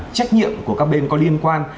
trách nhiệm của các bên có liên quan